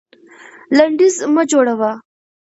لنډيز مه جوړوه.